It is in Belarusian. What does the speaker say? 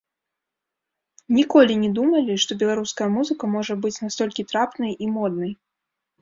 Ніколі не думалі, што беларуская музыка можа быць настолькі трапнай і моднай!